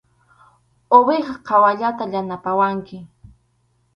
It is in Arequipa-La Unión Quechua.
Uwiha qhawayllata yanapawanki.